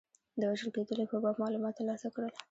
د وژل کېدلو په باب معلومات ترلاسه کړل.